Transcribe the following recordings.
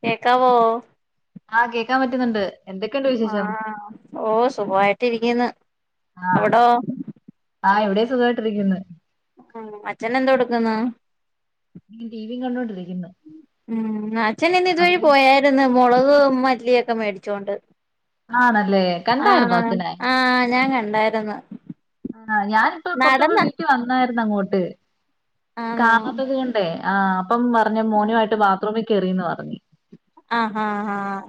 കേക്കാവോ? ആ കേക്കാൻ പറ്റുന്നുണ്ട്. എന്തൊക്കെയുണ്ട് വിശേഷം ആഹ് ഓഹ് സുഖാമായിട്ടിരിക്കുന്ന് ആഹ് ആഹ് ഇവിടെയും സുഖമായിട്ടിരിക്കുന്നു. ഉം അച്ഛനെന്തോടുക്കുന്നു ഞാൻ ടിവിയും കണ്ടോണ്ടിരിക്കുന്നു ഉം അച്ഛൻ ഇന്ന് ഇതുവഴി അവിടെ പോയായിരുന്നു. മുളക് മല്ലിയൊക്കെ മേടിച്ചോണ്ട്. ആണല്ലേ കണ്ടായിരുന്നോ ആണോ, അച്ഛനെ ആഹ് ഞാൻ കണ്ടായിരുന്നു. ആഹ് ഞാനിപ്പോ കൊറചോസം നടന്ന വീട്ടി വന്നായിരുന്നു അങ്ങോട്ട് ആണോ കാണാത്തത് കൊണ്ടേ ആഹ് അപ്പം പറഞ്ഞു മോനുമായിട്ട് ബാത്റൂമിൽ കേറിയെന്ന് പറഞ്ഞു. ആഹ് ആഹ് ആഹ്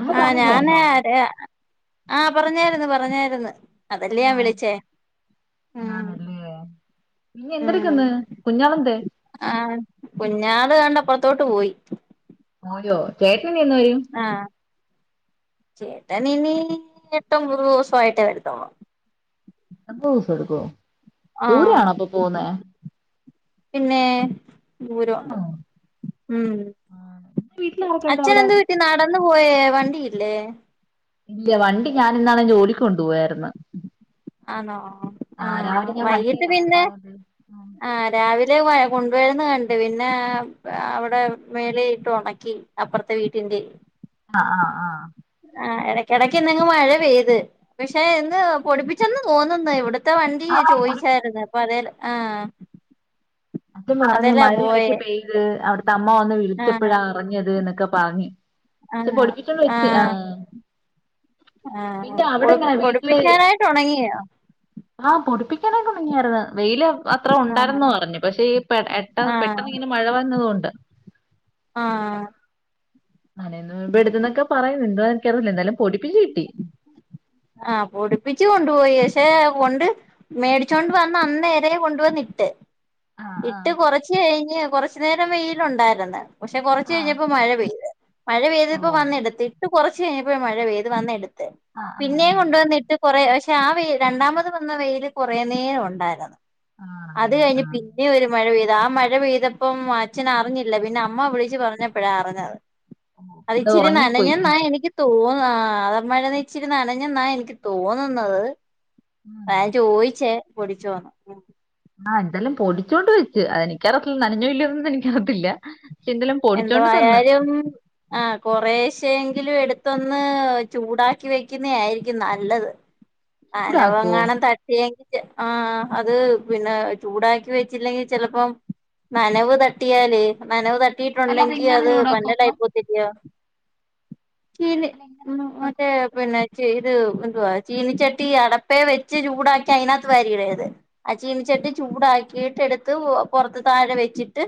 അമ്മ ആഹ് ഞാനേ പറഞ്ഞില്ലായിരുന്നോ അറിയാം ആഹ്. പറഞ്ഞായിരുന്നു പറഞ്ഞായിരുന്നു, അതെല്ലേ ഞാൻ വിളിച്ചേ. ഉം ആഹ് അല്ലേ നീ ഉം എന്തെടുക്കുന്നു കുഞ്ഞാള് എന്തെ? അത്തോട്ട് പോയി പോയോ, ചേട്ടൻ ഇനി എന്ന് വരും? ആഹ് ചേട്ടൻ ഇനി എട്ടൊമ്പത് ദിവസമായിട്ട് വരുത്തോള്ള്. പത്ത് ദിവസമെടുക്കോ ആഹ് ദൂരമാണോ അപ്പൊ പോകുന്നേ പിന്നെ ദൂരം ഉണ്ട് ആണോ ഉം ആ, നിന്റെ വീട്ടിൽ ആരൊക്കെ ഉണ്ട് അച്ഛന് അവിടെ എന്തുപറ്റി നടന്ന്. ന്നുപോയേ വണ്ടിയില്ലേ ഇല്ല വണ്ടി ഞാന ഇന്നാണ് ജോലിക്ക് കൊണ്ടു പോയായിന്ന് ആണോ ആഹ വൈകിട്ട് വണ്ടിയിലാ അപ്പൊ പിന്നെ അത് ആ രാവിലെ കൊണ്ടുവരു ന്നത് കണ്ട് പിന്നെ അവിടെ മേള ഇട്ട് ഉണക്കി അപ്പുറത്തെ വീട്ടി ന്ത് ആഹ ആഹ് ആഹ ആ ഇടയ്ക്കിടക്ക് എന്തെും മഴ പെയ്ത് പക്ഷെ എന്ന് പൊടിപ്പിച്ചെന്ന് തോന്നുന്നു ഇവിട് ഇത്ത വണ്ടി ആഹ് പൊടിപ്പിച്ച് ചോദിച്ചായിരുന്നു അപ്പൊ അത ആഹ അപ്പം പ റഞ്ഞഞ് മഴ ഇടയ്ക്ക് പെയ്ത് അവിടുത്തെ അമ്മ വന്ന് ആഹ് വിളിച്ചപ്പോഴാ അറിഞ്ഞത് എന്നൊക്കെ പാങ്ങി ആഹ് പൊടിപ്പിചോക്കെ വെച്ച് ആ ആഹ് ആഹ് പിന്നെ അവിടെങ്ങനെ വീട്ടില് പൊടിപ്പിക്കാനായിട്ട് ഉണങ്ങിയോ ആഹ പൊടിപി മുങ്ങിയായിരുന്നു വെയിൽ അത്ര ആഹ് ഉണ്ടായിരുന്നു പറഞ്ഞു. പക്ഷെ ഈ പെട്ട പെട്ടെന്ന് ഇങ്ങനെ മഴ വന്നതുകൊണ്ട് ആഹ്‌. അന നും ഇബെ എടുത്തന്നൊക്കെ പറയുന്നു എന്താ എനക്ക്റല്ല എന്തായാലും പൊടിപ്പിച് കിട്ടി ആഹ പൊടി പ്പിച്ച് കൊണ്ടുപോയി പക്ഷെ കൊണ്ട് മേടിച്ചോണ്ട് വന്ന് അന്നേര കൊണ്ട പോന്നിട്ട് ആഹ് ആഹ് ഇട്ട് കൊറച്ച് കഴിഞ്ഞ് കൊറച്ചു നേരം വെയിലുണ്ടായിരുന്ന് പക്ഷെ കുറച്ച് ആഹ് കഴിഞ്ഞപ്പോ മഴ പെയ്ത് മഴ പെയ്പ്പോ ഓഹ് വന്നെടുത്ത് ഇട്ട് കുറച്ച് കഴിഞ്ഞപ്പോ മഴ പെയ്ത് വന്നെടുത്തത്ത് ആഹ്‌ ആഹ്‌. പിന്നെയും കൊണ്ടുവന്നിട്ട് കുറേ പക്ഷെ ആ വെൽ രണ്ടാമത് വന്ന വെയിയില് കുറേ നേരം ഉണ്ടായിരുന്നു അത് ആഹ് കഴിഞ്ഞ് ആഹ് പിന്നെ ഒരു മഴ പെയ്ത ആ മഴ പെയ്തപ്പം മ അച്ഛന റിഞ്ഞില്ല പിന്നെ അമ്മ വിളിച്ച് പറഞ്ഞപ്പോഴാ അറിഞ്ഞത് അത് ഇച്ചിരി നനഞ്ഞ എന്നാ എനിക്ക് തോ തോന്ന അത മഴ നെയച്ചിുന്ന അനഞ്ഞെന്നാ എനിക്ക് തോന്നുന്നത് ഉം ഞാൻ ചോയിച്ചേ പൊടിച്ചോന്നു ആഹ എന്തായാലും പൊടിച്ചുകൊണ്ട് വെച്ച് അതെനിക്കറിയത്തില്ല നനഞ്ഞ ഇല്ലയോന്നന്നും എനിക്ക അറത്തില്ല എന്തോ ആയാലും ആഹ കൊറശ് ക്ഷേ യെങ്കിലും എടുത്തൊന്ന് ചൂടാക്കി വെക്കുന്നെയിരിക്കും നല്ലത്. ചൂടാക്കുവോ നനവെങ്ങാനും തട്ടിയെങ്കിൽ ആഹ അത് പിന്നെ ചൂടാക്കി വെച്ചില്ലെങ്കി ചെിലപ്പം നനവ് തട്ടിയാല് നനവ് അല്ല തട്ടിയിട്ടുണ്ടെങ്കി അതെങ്ങനെ അത് ചൂടാക്കും അപ്പം പന്നലായിപ്പോതരിയാ ചീനി അല്ല എങ്ങനെ മറ്റേ പിന്നെ ചെയ്ത് എന്തുവാ ചീനിച്ചട്ടി അടപ്പേ വെച്ച് ചൂടാക്കി അതിനകത്ത് വരിടേത് ആ ചീന ചട്ടി ചൂടാക്കിയിട്ട എടുത്ത് പുറത്ത് താഴെ വെച്ചിട്ട്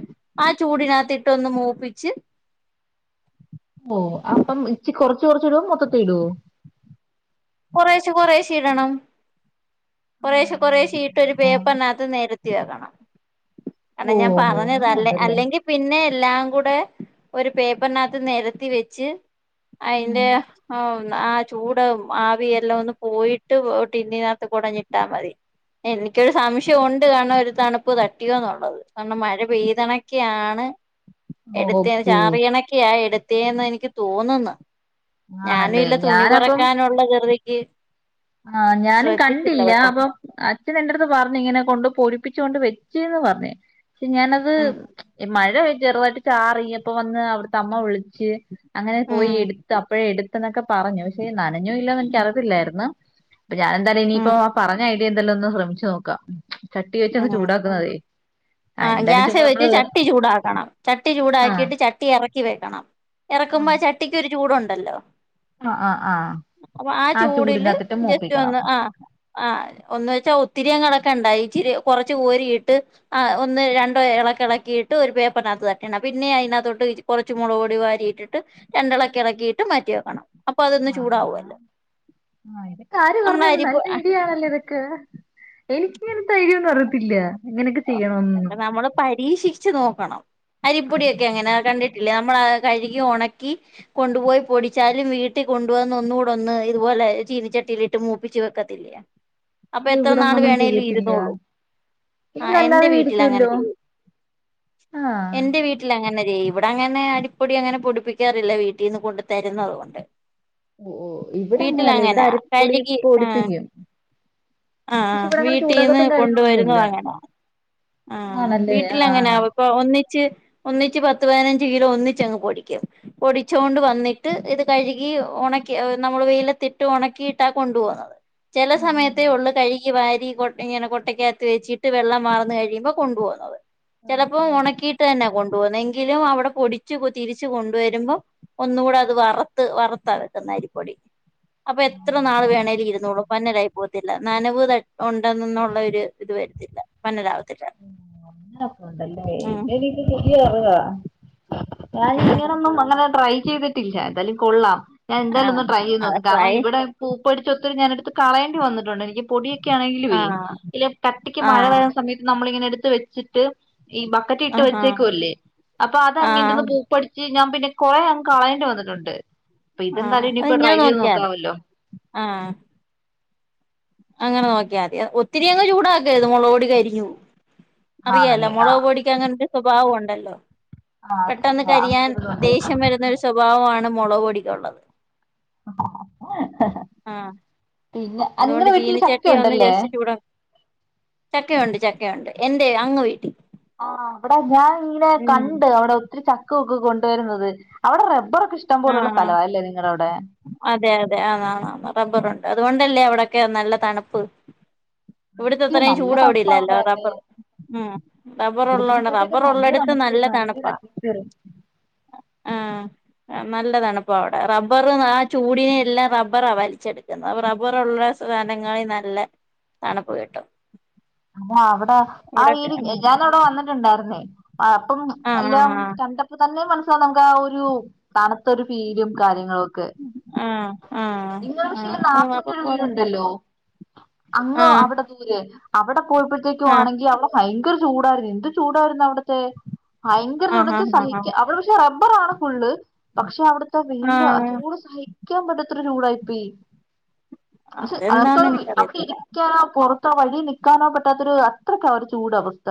ആ ചൂടിനകതിട്ട് ഇട്ടൊന്ന് മൂപ്പിച്ച് ഓ അപ്പം ഇച്ചി കൊറച്ച് കൊറച്ച് ഇടു മൊത്തത്തി ഇടോ കുറേശെ കൊറേശ ഇടണം കൊറേശെ ആണല്ലേ കുറേശീട്ട ഒരു ആ പേപ്പറിനകത്ത് നേരത്തി [unintelligible] കാരണം ഓ ഞാൻ അങ്ങനെ പറഞ്ഞതല്ലേ ഉണ്ടല്ലേ അല്ലെങ്കിൽ പിന്നെ എല്ലാം കൂടെ ഒരു പേപ്പറിനകത്തു നിരത്തി വെച്ച് അയ്ന്റെ ഏഹ് ആ ചൂട് ആവിയെല്ലാം ഒന്ന് പോയിട്ട് ടിന്നിനകത്ത് കൂടങ് ഇട്ടാ മതി എനിക്കൊരു സംശയം ഉണ്ട് കാരണം ഒരു തണുപ്പ് തട്ടിയോ എന്നുള്ളത് കാരണം മഴ പെയ്തണക്കെയാണ് ഓ എടുത്തേ ഓക്കെ ചാറിയണക്ക ആ എടുത്തേന്ന് എനിക്ക് തോന്നുന്നു ഞാനും ആണല്ലേ ഇല്ല തുണി ഞാനപ്പം പറക്കാനുള്ള ധൃതിക്ക്‌ ആഹ് ഞാനും കണ്ടില്ല അപ്പൊ അച്ഛൻ എന്റെടുത്ത് പറഞ്ഞ ഇങ്ങനെ കൊണ്ട് പോടി [unintelligible] വെച്ചന്ന് പറ ഞ്ഞ് പക്ഷേ ഞാനത് ഉം ഈ മഴ ചെറുതായിട്ട് ചാറി അപ്പൊ വന്ന് അവിടുത്തെ അമ്മ വിളിച്ച് അങ്ങനെ പോയി ഉം എടുത്ത് അപ്പോഴെ എടുത്ത എന്നൊക്കെ പറഞ്ഞു പക്ഷെ നനഞ്ഞു ഇല്ലന്ന് എനിക്കറിയത്തില്ലായിരുന്നു അപ്പൊ ഞാൻ എന്തായാലും ഇനിയിപ്പോ ഉം ആ പറഞ്ഞ ഐഡിയ എന്തായാലോ ഒന്ന് ശ്രമിച്ചു നോക്കാം ചട്ടി വെച്ചന്ന് ഉം ചൂടാക്കുന്നതേ ആ ആഹ് എന്തായാലും ഗ്യാസ് ചുമ്മാ വെച്ച് നമ്മള് ചട്ടി ചൂടാക്കണം ചട്ടി ആഹ് ചൂടാക്കിട്ട് ചട്ടി ഇറ ഇറക്കി വെക്കണം ഇറക്കുമ്പോ ചട്ടിക് ഒരു ചൂടുണ്ടല്ലോ ആഹ് ആഹ് ആഹ് അപ്പൊ ആ ചൂടില് ചൂടിനകത്തിട്ട് ജസ്റ്റ് മൂപ്പിക്കണം ഒന്ന് ആഹ് ആഹ് ഒന്നവെച്ചാ ഒത്തിരി ഇളക് ക്കണ്ട ഇച്ചിരി കുറച്ച് കോരി ഇട്ട് ആഹ് ഒന്ന് രണ്ടോ ഇളക്കിളക്കിയിട്ട് ഒരു പേപ്പറിനകത്ത് തട്ടണം പിന്നെ അയ്നകത്തോട്ട് കുറച്ച് മുളക് പൊടി വാരി ട്ടിട്ട് രണ്ടെളക്ക് എളക്കിയിട്ട് മാറ്റി വെക്കണം അപ്പൊ അതൊന്ന് ആഹ് ചൂടാവുവല്ലോ ആഹ് ഇതൊക്കെ ആര് പറഞ്ഞ് നമ്മള് തന്നു അരിപ്പ് നല്ല ഐഡിയാണല്ലോ ഇതൊക്കെ [unintelligible] ഇങ്ങനത്തെ ഐഡിയ യൊന്നും അറിയത്തില്ല എങ്ങനെയൊക്കെ ചെയ്യണം ന്നൊന്നും ഇതൊക്കെ നമ്മള് പരീക്ഷിച്ച് നോക്കണം അരിപ്പൊടിയൊക്കെ അങ്ങനെ കണ്ടിട്ടില്ലേ മ്മള് കഴുകി ഉണക്കി കൊണ്ടുപോയി പൊടിച്ചാലും വീട്ടിൽ കൊണ്ട വന്ന് ഒന്നുകൂടെ ഒന്ന് ഇതുപോലെ ചീനിച്ചട്ടിയിലിട്ട് മൂപ്പിച്ച് വെക്കത്തില്ലേ അപ്പൊ അയ്യോ എത്ര നാൾ ഇവിടൊന്നൊന്നും വേണേലും ചെയ്യത്തില്ല ഇരുന്നോളും ഇവിടെ ആഹ് എന്റെ അല്ലാതെ വീട്ടിൽ അങ്ങനെ ഇരിക്കുവല്ലോ ചെയ്യും ആഹ് എന്റെ വീട്ടിൽ അങ്ങനെ ഇവിടെ അങ്ങനെ അരി പ്പൊടി അങ്ങനെ പൊടിപ്പിക്കാറില്ല വീട്ടിൽന്ന് കൊണ്ട് തരുന്നതുകൊണ്ട് ഓഹ് ഓഹ് ഇവിടെ അങ്ങനെല്ല ഇവിടെ അരിപ്പൊടി കഴുകി ആഹ് പൊടിപ്പിക്കും ആഹ് പക്ഷെ ഇവിടെ അങ്ങനെ വീട്ടിന്ന് ചൂടാക്കത്തേം കാര്യങ്ങളൊന്നും കൊണ്ടുവരുന്നു ഇല്ല അങ്ങനാ ആഹ് ആണല്ലേ വീട്ടിൽ അങ്ങനെയാ ആഹ് വെക്കുവാ ഒന്നിച്ച് ഒന്നിച്ച് പത്ത് പതിനഞ്ച് കിലോ ഒന്നിച്ചങ്ങ് പൊടിക്കും പൊടിച്ചൊണ്ട് വന്നിട്ട് ഇത് കഴുകി ഒണക്കി ഏഹ് നമ്മള് വെയിലത്തിട്ട് ഒണക്കിയിട്ടാ കൊണ്ടു പോകുന്നത് ചില ഉം സമയത്തേ ഉം ഉള്ള് കഴുകി വാരി കൊട് ഇങ്ങനെ കൊട്ടയ്ക്കകത്ത് വെച്ചിട്ട് വെള്ളം വാർന്നു കഴി [unintelligible] കൊണ്ടു പോവുന്നത് ആഹ് ചിലപ്പോ ആഹ് ഉണക്കിയിട്ട് തന്നെ കൊണ് [unintelligible] ന്നെങ്കിലും അവിടെ പൊടിച്ചു കു തിരിച്ച് കൊണ്ടുവരുമ്പോ ഒന്നുകൂടെ അത് വറത്ത് വറുത്ത വെക്കുന്നെ അരിപ്പൊടി അപ്പൊ എത്ര നാൾ ആണല്ലേ വേണലും ഇരുന്നോളും പന്നലായി പോകത്തില്ല നനവ് തട്ട് ഉണ്ടെന്നെന്നുള്ള ഒരു ഇത് വരത്തില്ല പന്നലാവ അങ്ങനൊക്കുണ്ടല്ലേ ഉം ഇതെനിക്ക് പുതിയ അറിവാ ഞാൻ ഉം ഇങ്ങനൊന്നും അങ്ങനെ ട്രൈ ചെയ്തിട്ടില്ല എന്തായാലും കൊള്ളാം ഞാൻ ആഹ് എന്തായാലൊന്ന് ട്രൈ ചെയ്ത് അത് നോക്കും കാരണം ട്രൈ ഇവിടെ പൂപ്പ്‌ പിടിചൊത്തിരി ഞാനെടുത്ത് കളയേണ്ടി വന്നിട്ടുണ്ട് നിക്ക് പൊടി ആഹ് [unintelligible] കട്ടിക്ക് മഴ ആഹ് വരുന്ന സമയത്ത് നമ്മളിങ്ങനെ എടുത്ത് വെച്ചിട്ട് ഈ ബക്കറ്റ് ഇട്ട് ആഹാ വെച്ചേക്കുവല്ലേ അപ്പൊ അതങ്ങിട്ടൊന്ന് ആഹ് പൂപ്പടിച്ച് ഞാൻ പിന്നെ കുറേ അങ്ങ് കളയേണ്ടി വന്നിട്ടുണ്ട് അപ്പൊ ആഹ് ഇതെന്താലും അത് ഇനിയിപ്പോ ട്രൈ ഇങ്ങനെ ചെയ്ത് നോക്കിയാ മതി നോക്കാവല്ലോ ആഹ് അങ്ങനെ നോക്കിയാതി അ ഒത്തിരിഅങ്ങ് ചൂടാക്കരുത് മുളക്പൊടി കരിഞ്ഞു പോകും അറിയാലോ ആണല്ലേ ആ മുളക് പൊടിക്ക് അങ്ങനൊരു സ്വഭാവം ഉണ്ടല്ലോ ആ അത് പെട്ടെന്ന് ശരിയാ കരിയാൻ അങ്ങനത്തൊരിതുണ്ട് ദേഷ്യം വരുന്ന ഒരു സ്വഭാവമാണ് മുളക് പൊടിക്കുള്ളത് ആ ആഹ് പിന്നെ അതുകൊണ്ട് നിങ്ങളെ വീട്ടില് ചീനിച്ചട്ടി ഒന്ന് ചക്കയുണ്ടല്ലേ ജസ്റ്റ് ചൂടാ ചക്കയുണ്ട് ചക്കയുണ്ട് എന്റെ അങ്ങ് വീട്ടിൽ ആ് അവിടെ ഞാൻ ഇങ്ങനെ ഉം കണ്ട് അവിടെ ഒത്തിരി ചക്ക ഒൊക്കെ കൊണ്ടുവരുന്നത് അവിടെ റബ്ബർ ആഹ അതെ അതെ ആ റബ്ബറുണ്ട് അതുകൊണ്ടല്ലേ അവിടക്കെ നല്ല തണുപ്പ് ഇല്ല ഇവിടത്തെത്രയും നല്ല ചൂട് തണുപ്പാ അവിടെല്ല അവിടെയൊക്കെ എല്ലപ്പ ഉം റബ്ബർള്ളണ്ട ഇവിടത്തിനെക്കാട്ടിയൊക്കെ റബ്ബർ ഉള്ള നല്ല എടുത്ത് തണുപ്പ് നല്ല നല്ലൊരു തണുപ്പാ അറ്റ്മോസ്ഫിയറും ആഹ നല്ലതാണിപ്പോ അവിടെ റബ്ബർ ആ ചൂടിനെ എല്ലാം റബ്ബറാ വലിച്ചെടുക്കുന്നത് റബ്ബറുള്ള സനങ്ങളിൽ നല്ല തണുപ്പ് കട്ടും ആ അവിടെ ആ ഇരി ഞാാനവിടെ വന്നിട്ടുണ്ടായിരുന്നേ അപ്പം ആഹ് എല്ലാം കണ്ടപ്പോ തന്നെ മന നമുക്ക് ആ ഒരു തണുത്തരു പീലും കാര്യങ്ങളും ആഹ് ആഹ് നിങ്ങ പക്ഷേ ആഹ് ആഹ് ആഹ് നാത്തൂറ്റരു ആഹ് വീടുണ്ടല്ലോ അങ്ങോ അവിടെ ദൂരെ അവിടെ പോയപ്പോഴത്തേക്കും ആഹ് ആണെങ്കി അവിടെ ഭയങ്കര ചൂടായിരുന്നു എന്ത് ചൂടായിരുന്നു അവിടത്തെ ഭയങ്കര ചുണച്ച ആഹ് സഹിക്ക ആഹ് അവിടെ പക്ഷെ റബ്ബറണ് ഫുള്ള് പക്ഷെ അവിടു വല ആഹ് ചൂട് സഹിക്കാൻ പറ്റത്ര ചൂടായിപ്പോയി പക്ഷെ അതത്ത അതെന്താന്ന് അവിടെ എനിക്കറിയത്തില്ല ഇരിക്കാനറ ഇ വഴി നൽക്കാനോ പെറ്റാത്തൊരു അത്രക്കാണ് ഒരു ചൂടവസ്ഥ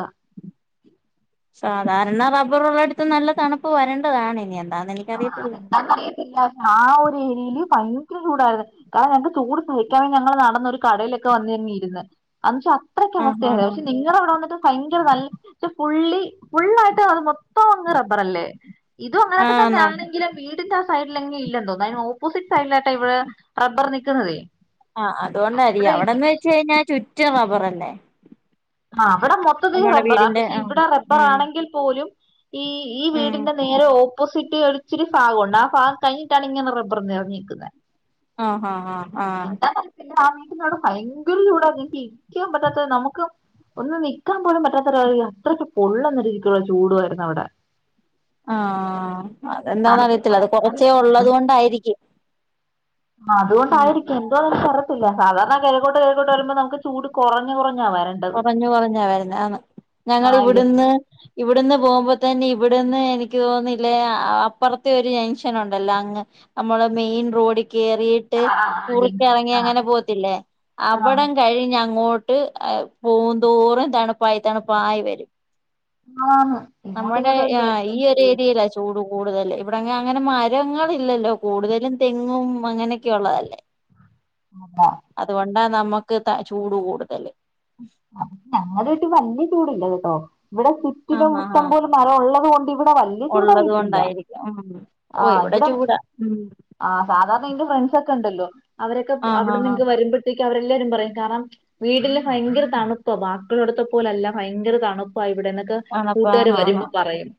സാധാരണ റബ്ബറ ഉള്ള അടുത്ത് നല്ല തണുപ്പ് വരേണ്ടതാണ് ഇനി എന്താന്ന് ആഹ എനിക്കറിയത്തില്ല അതന്താറിയത്തില്ല ആ ഒരു ഏരിയയില് ഭയങ്കര ചൂടായിരുന്നു കാരണം ഞങ്ങക്ക് ചൂട് സഹിക്കാൻ വേ ഞങ്ങൾ നടന്നൊരു കടയിലൊക്കെ വന്നി ങ്ങ വെച്ച അത്രക്കെ ആഹ് അവസ്ഥയ ആഹ് പക്ഷെ നിങ്ങളവിടെ വന്നിട്ട് ഭയങ്കര ന ഫുള്ളി ഫുൾായിട്ട് അത് മൊത്തം അങ് റബ്ബർ അല്ലേ തന്നെ ആഹ് ആണെങ്കിലും വീടിന്റെ ആ സൈഡിലെങ്കിൽ ന്തോ അന് ഓപ്പോസിറ്റ് സൈഡിലായിട്ട് ഇവിടെ റബ്ബർ നിിക്കുന്നതേ ആഹ അതുകൊണ്ടരി അവിടെന്ന് വെച്ച കഴിഞ്ഞാ ചുറ്റ റബർ തന്നെ ആ അവിടെ മൊത്തത്തി റബ്ബറാ പക്ഷെ ആ ഇവിടെ റബ്ബർ ഉം ആണെങ്കിൽ പോലും ഈ ഈ ഉം വീടിന്റെ നേരെ ഓപ്പോ ട്ട് ഒടിച്ചിരു ഭാഗംണ്ട് ആാം കഴിഞ്ഞിട്ടാണ് ഇങ്ങെ റബ്ബർന്ന്റഞ്ഞിക്കുന്നത് ആഹ ആഹ ആഹ എന്താ തന്നെ സമീട് ഭയങ്കര ചൂടാരിക്കൻ പറ്റാത്ത നമുക്ക് ഒന്നും നൽിക്കാൻ പോലൻ പറ്റാത്ത ഒരാള അത്രക്ക പൊള്ളുന്ന രീതിുള്ള ചൂടുയിരുന്നു അവിടെ ആഹ തണുപ്പെന്ന് അതെന്താന്നറിയത്തില്ല അത് പറയാൻ കൊറച്ചേ സാധനമില്ല ഉള്ളത് കൊൊണ്ടായിരിക്കും ആഹ അതൊണ്ടായിരിക്കും എന്തോന്ന തരത്തില്ല ഉം സാധാരണ കഴോട്ട് കഴക്കോട്ട് വരുമ്പോ നമക്ക് ചൂട് കുറഞ്ഞ കുറ കുറഞ്ഞു കുറഞ്ഞ വരുന്ന ആ ഞങ്ങ ആ ഇതെന്തോ ഇവിടുന്ന് ഇവി ഇവിടുന്ന് പോകുമ്പോ തന്നെ ഇവിടുന്ന് എനിക്ക് തോന്നുന്നില്ലേ അപ്പുറത്തെ ഒരു ജൻഷൻ ഉണ്ടല്ലോ അങ്ങ് നമ്മളെ മെയിൻ റോഡ് കറിയിട്ട് ആ ആ ആ ജംഗ്ഷൻ കുറിച്ചറങ്ങി ആ അങ്ങനെ പോത്തില്ലേ ആ അവിടം കഴിഞ്ഞങ്ങോട്ട് ് പോന്തോറും തണുപ്പായി തണുപ്പായി വരും ആന്ന് ഇങ്ങോട്ട് നമ്മുടെ ഇങ്ങോട്ട് ആ വരുമ്പോ ഈ എത്രയും ഒരു ചൂട് വരുന്നേ ഏരിയയിലാ ചൂട കൂടുതല് ഇവിടെ അങ്ങനെ മരങ്ങള ഇില്ലല്ലോ കൂടുതലും തെങ്ങും അങ്ങനെയൊക്കെള്ളതല്ലേ അതാ അതുകൊണ്ടാ നമ്മുക്ക് ചൂട് കൂടുതല് ഞങ്ങളായിട്ട് വലിയ ചൂടള്ളത് കേട്ടോ ഇവിടെ ചുറ്റിനും ആഹ് ആഹ് ഉഷ്ടം ആഹ് പോലും മരം ഉള്ളത് കൊൊണ്ട് ഇവിടെ വലിയ ചൂട ഉള്ളത് കഴട്ടില്ല കൊണ്ടായിരിക്കും ഉം ഓ ആഹ ഇവിടെ ചൂടാ ഉം ആ സാധാരണ എന്റെ ഫ്രണ്ട്സ് ഒക്കെ ഉണ്ടല്ലോ അവരൊക്കെ ആഹ് അവിടെ ആഹ് നിങ്ങക്ക് വരുമ്പഴേക്ക് അവരെല്ലാവരും പറയും കാരണം വീട്ടില് ഭയങ്കര തണുപ്പ ബാക്കളടത്തെ പോലല്ല ഭയങ്കര തണുപ്പായി ഇവിടെന്നൊക്കെ ആണപ്പ കൂട്ടുകാാര് ആഹ് ആഹ് വരുമ്പോൾ പറയയും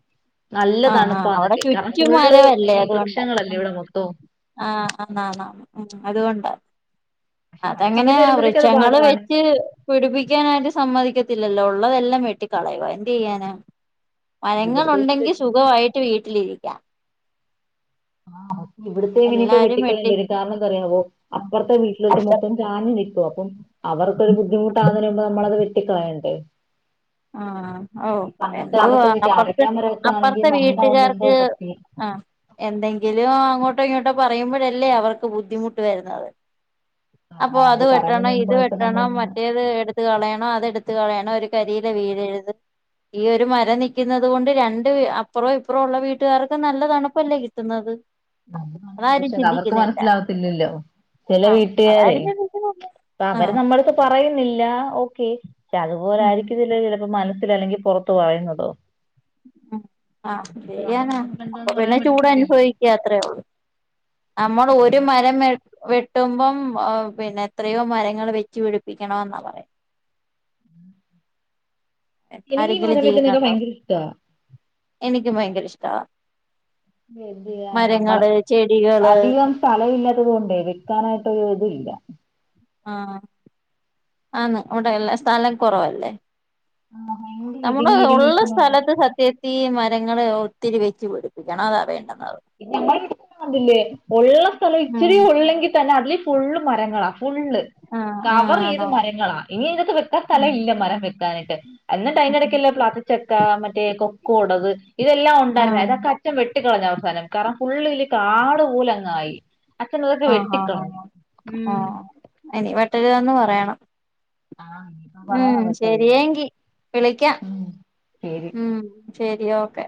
ആഹ് ആ അവിടെ ചുറ്റും ഫുള്ള് വരവല്ലേ ഈ അതുകൊണ്ട വൃക്ഷങ്ങളല്ലേ ഇവിടെ മൊത്തവും ആഹ ആന്നന്ന ഉ അതുകൊണ്ടാ പക്ഷെ മഴ അതങ്ങനെ സമയത്ത് വരുമ്പോഴത്തേക്ക് അത് വൃക്ഷങ്ങള് പാടാണ് വെച്ച് പിടിപ്പിക്കാനായിട്ട് സമ്മതിക്കത്തില്ലല്ലോ ഉള്ളതെല്ലാം വെട്ടി കളയുക എന്ത് ചെയ്യാന മരങ്ങ ഇവിടത്തേക്ക് ഉണ്ടെങ്കി വെട്ടി സുഖമായിട്ട് വീട്ടിലിരിക്കും [inaudible] [inaudible] ആ് ഇവിടത്തെ ഇനിയിപ്പോ വെട്ടി വെട്ടിക്കളണ്ടണ്ട് ഇനി കാരണംറവ അപ്പറത്തെ വീട്ടിലോട്ട് അപ്പ മൊത്തം ചാഞ്ഞ നിൽക്കും അപ്പം അവർക്കൊരു ബുദ്ധിമുട്ടാമ്പ നമ്മളത് വെറ്റിക്കളയണ്ടേ ആ ഓ എന്തോ വെട്ടി അപ്പറത്തെ അടയ്ക്കാൻ മരമൊക്കെ ആണെങ്കിൽ അപ്പുറത്തെ മണ്ട കൊണ്ട് എന്തോ വീട്ടുകാർക്ക് പറ്റി ആഹ എന്തെങ്കിലും അങ്ങോട്ടോ ഇങ്ങോട്ടോ പറയുമ്പോഴല്ലേ അവർക്ക് ബുദ്ധിമുട്ട് വരുന്നത് അപ്പൊ അതാ അത് അവര് പറയുന്നതിന് വെട്ടണം ഇത് മുമ്പായിട്ട് വെട്ടണം നമ്മളങ്ങ് മറ്റേത് എടുത്ത് കളയണം അത് എടുത്ത് കളയണം ഒരു കരി ല്ല വീട്ഴുതും ഈ ഒരു മര നൽക്കുന്നത് കൊണ്ട് രണ്ട് അപ്പുറോ ഇപ്പുറോ ഉള്ള വീട്ടുകാർക്ക് നല്ല തണുപ്പല്ലേ കിട്ടുന്നത് അത് അതാരും പക്ഷെ അവർക്ക് ചിന്തിക്കുന്നില്ല മനസ്സിലാവത്തില്ലല്ലോ ചെില ആഹ് വീട്ടുകാരെ അതാരും ചിന്തിക്കുന്നില്ല അ അവര് ആഹ് നമ്മത്ത് പറയുന്നില്ല ഓെ അതുപോലെ ഉം ആയിരിക്കുന്നില്ല ചിലപ്പോ മനസ്സിൽ അല്ലെങ്കി പുറത്ത പറയുന്നതോ ആഹ ഒരാളുടെ ചെയ്യാനാ അപ്പൊ മനസ്സിലെന്തോന്ന് പിന്നെ പറയാൻ ചൂട് പറ്റത്തില്ലല്ലോ അനുഭവിക്ക അത്രേള്ളൂ നമ്മൾ ഒരു അതാ മരം വെട്ടുമ്പം പിന്നെ എത്രയോ മരങ്ങൾ വെച്ചുപടിപ്പിക്കണ എന്നാ പറയാ ഉം ആരെങ്കിലും ചെയ്യുന്നുണ്ടോ ഭയങ്കര ഇഷ്ടാ എനിക്കും ഭയങ്കര ഇഷ്ട എതിയ നമ്മള ചെടികള് അധികം സ്ഥലമില്ലാത്തത് കൊണ്ടേ വെക്കാനായിട്ട് ല്ല [inaudible] ആഹ ആന്ന് അവിടെ എല്ലാ സ്ഥലം കുറവല്ലേ ആഹ് ഭയങ്കര നമ്മുടെ ഇടുങ്ങി ഇടുങ്ങി ഉള്ള നിക്കുന്നുണ്ട് സ്ഥലത്ത് സത്യത്തി മ മരങ്ങൾ ഒത്തിരി വെച്ച് പഠടിപ്പിക്കണം അതാ വേണ്ടത് പിന്ന നമ്മളതില്ലേ ഉള്ള സ്ഥലം ഉം ഇച്ചരി ഉള്ളെങ്കിൽ തന്നെ അതില് ഫുള്ള് മരങ്ങള ഫുള്ള് ആഹ് ആഹ് കവർ ചെയ്ത് ആണോ മരങ്ങളാ ഇനി നിങ്ങക്ക് വെക്കാൻ ഉം സ്ഥലം ഇല്ല മരം വെക്കാനായിട്ട് എന്ന ഉം അൻടക്കല്ലോ പ്ലാത്തച്ചക്ക മറ്റേ കൊക്കോടത് ഇതെല്ലാം ആഹ് ഉണ്ടായിരരുന്നു അത അറ്റം വെ കട്ടിക്കളഞ്ഞ അവസാനം കാരണം ഫുുള്ളില് കാട് പോലെങ്ങായി ആഹ ആ ആ ആ ഇനി വെട്ടലാന്ന് പറയണം ആഹ് ഇനിയിപ്പം ഉം പറയാൻ പറ്റോ ഇതൊന്നും ശരിയേങ്കി വിളിക്കാം ഉം ശരി ഉ ശരി ഓക്കെ